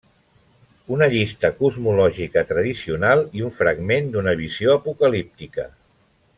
Una llista cosmològica tradicional i un fragment d'una visió apocalíptica.